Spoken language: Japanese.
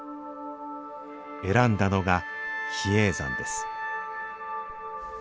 選んだのが比叡山です